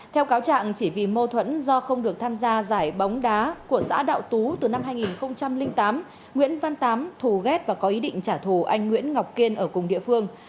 theo cáo trạng chỉ vì mâu thuẫn do không được tham gia giải bóng đá của xã đạo tú từ năm hai nghìn tám nguyễn văn tám thù ghét và có ý định trả thù anh nguyễn ngọc kiên ở cùng địa phương